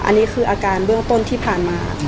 อันนี้คืออาการเบื้องต้นที่ผ่านมา